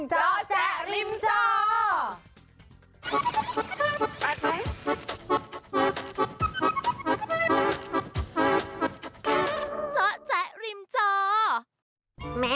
เจ้าแจ๊กริมเจ้า